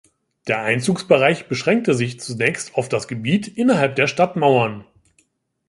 Der Einzugsbereich beschränkte sich zunächst auf das Gebiet innerhalb der Stadtmauern.